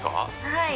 はい。